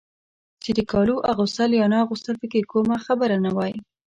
چې د کالو اغوستل یا نه اغوستل پکې کومه خبره نه وای.